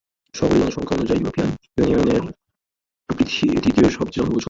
শহুরে জনসংখ্যা অনুযায়ী ইউরোপিয়ান ইউনিয়নের তৃতীয় সবচেয়ে জনবহুল শহর।